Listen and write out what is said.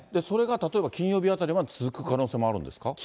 それが例えば金曜日あたりまで続く可能性もあるんですか？